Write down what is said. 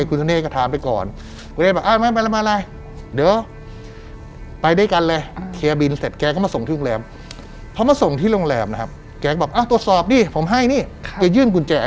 คุณธนเนศก็ทาไว้ก่อน